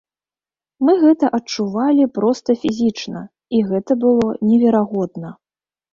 Мы гэта адчувалі проста фізічна, і гэта было неверагодна.